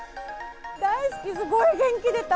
大好き、すごい元気出た。